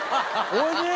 おいしい！